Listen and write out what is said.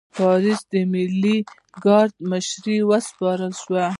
پاریس د ملي ګارډ مشري وسپارل شوه.